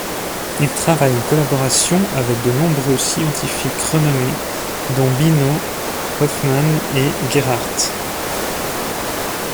Il travaille en collaboration avec de nombreux scientifiques renommés, dont Bineau, Hofmann et Gerhardt.